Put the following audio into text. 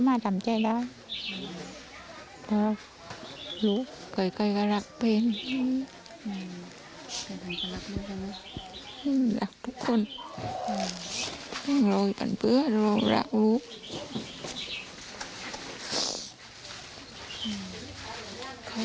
แม่ไม่อยากคุย